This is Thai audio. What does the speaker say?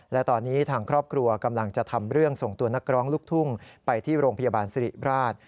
และตอนนี้ทางครอบครัวกำลังจะทำเรื่องส่งตัวนักร้องลูกทุ่งไปที่โรงพยาบาลสิริราช